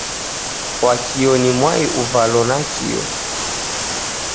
Wakio ni mwai uvalo nakio.